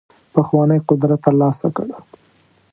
پخوانی قدرت ترلاسه کړ.